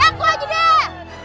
ya aku aja deh